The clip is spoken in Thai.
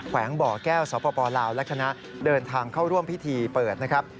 วงบ่อแก้วสปลาวและคณะเดินทางเข้าร่วมพิธีเปิดนะครับ